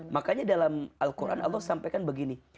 makanya dalam al quran allah sampaikan begini